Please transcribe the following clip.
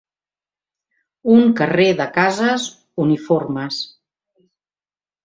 Un carrer de cases uniformes.